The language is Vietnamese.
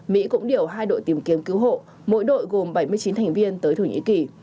mỹ cũng điều hai đội tìm kiếm cứu hộ mỗi đội gồm bảy mươi chín thành viên tới thổ nhĩ kỳ